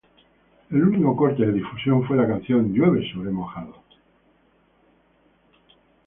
El único corte de difusión fue la canción "Llueve sobre mojado".